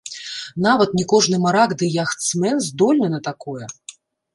Нават не кожны марак ды яхтсмэн здольны на такое.